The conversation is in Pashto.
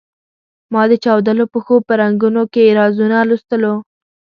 ما د چاودلو پښو په رنګونو کې رازونه لوستلو.